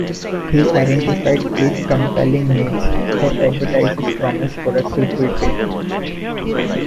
He identified eight "compelling needs" that advertisers promise products will fulfill.